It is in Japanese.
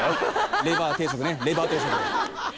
レバー定食ねレバー定食。